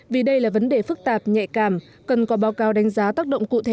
vì đây là vấn đề phức tạp nhạy cảm cần có báo cáo đánh giá tác động cụ thể